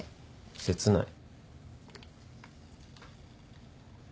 切ない。